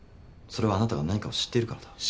それはあなたが何かを知っているからだ。